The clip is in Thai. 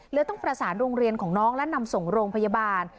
เลยต้องประสานโรงเรียนของน้องและนำส่งโรงพยาบาล